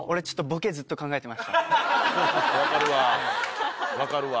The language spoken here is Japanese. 分かるわ分かるわ。